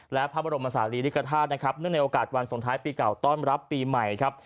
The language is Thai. และพระบรมศาลีริกฐาตุนะครับเนื่องในโอกาสวันสงท้ายปีเก่าต้อนรับปีใหม่ครับ